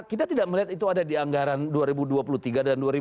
kita tidak melihat itu ada di anggaran dua ribu dua puluh tiga dan dua ribu dua puluh